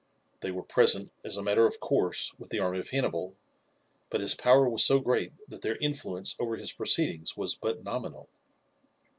They were present, as a matter of course, with the army of Hannibal, but his power was so great that their influence over his proceedings was but nominal.